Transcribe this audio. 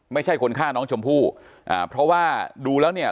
ไม่ใช่คนฆ่าน้องชมพู่อ่าเพราะว่าดูแล้วเนี่ย